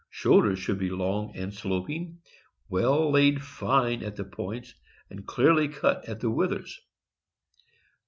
Shoulders should be long and sloping, well laid fine at the points, and clearly cut at the withers.